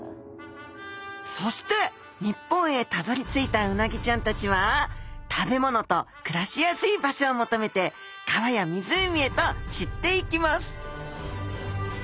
そして日本へたどりついたうなぎちゃんたちは食べ物と暮らしやすい場所を求めて川や湖へと散っていきます